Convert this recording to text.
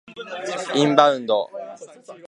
インバウンド